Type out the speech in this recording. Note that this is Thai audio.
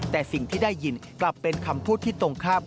แต่สิ่งที่ได้ยินกลับเป็นคำพูดที่ตรงข้าม